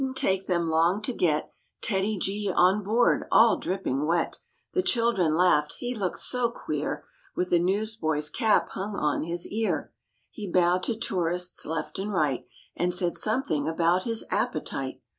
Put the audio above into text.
* THE BEARS VISIT WEST POINT It didn't take them long to get TEDDY G on board, all dripping wet; The children laughed, he looked so queer, With the newsboy's cap hung on his ear. He bowed to tourists left and right And said something about his appetite.